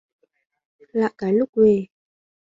lạ cái lúc về